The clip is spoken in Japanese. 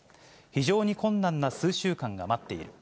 非常に困難な数週間が待っている。